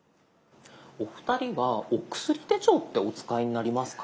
お二人はお薬手帳ってお使いになりますか？